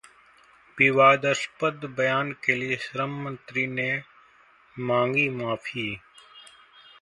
विवादास्पद बयान के लिए श्रम मंत्री ने मांगी माफी